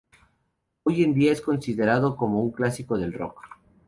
Hoy en día es considerado como un clásico del rock.